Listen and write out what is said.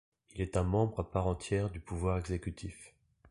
Il est un membre à part entière du pouvoir exécutif.